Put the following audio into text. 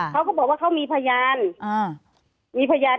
เขาก็บอกว่ากันไงพยาน